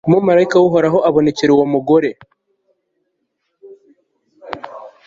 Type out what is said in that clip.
umumalayika w'uhoraho abonekera uwo mugore